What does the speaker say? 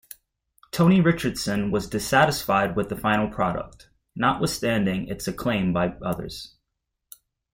Tony Richardson was dissatisfied with the final product, notwithstanding its acclaim by others.